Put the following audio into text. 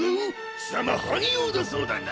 貴様半妖だそうだな。